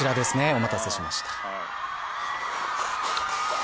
お待たせしました。